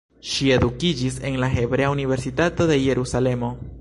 Ŝi edukiĝis en la Hebrea Universitato de Jerusalemo.